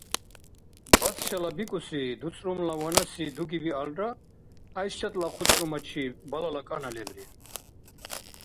Бац шалабикӀуси дуцӀрумла ванаси дуги биалра, ГӀяйшатла хъуцӀрумачиб балала кӀана лебри.